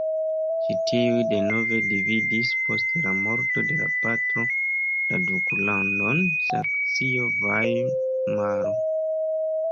Ci tiuj denove dividis post la morto de la patro la duklandon Saksio-Vajmaro.